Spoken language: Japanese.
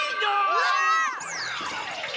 うわっ！